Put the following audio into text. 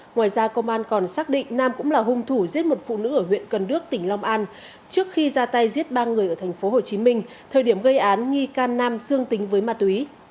ngoài ra công an còn xác định nam cũng là hung thủ giết một phụ nữ ở huyện cần đước tỉnh long an trước khi ra tay giết ba người ở tp hcm thời điểm gây án nghi can nam dương tính với ma túy